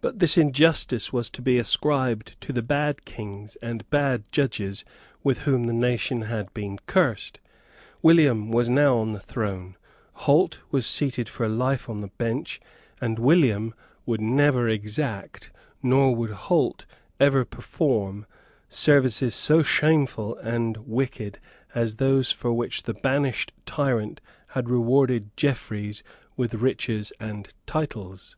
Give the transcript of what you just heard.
But this injustice was to be ascribed to the bad kings and bad judges with whom the nation had been cursed. William was now on the throne; Holt was seated for life on the bench; and William would never exact, nor would Holt ever perform, services so shameful and wicked as those for which the banished tyrant had rewarded Jeffreys with riches and titles.